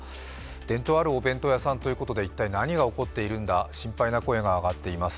伝統あるお弁当屋さんということで一体、何が起こっているんだ、心配な声が上がっています。